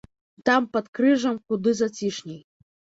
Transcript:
Там, пад крыжам, куды зацішней.